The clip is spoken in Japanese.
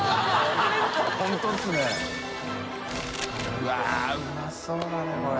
うわっうまそうだねこれ。